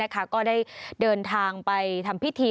ก็ได้เดินทางไปทำพิธี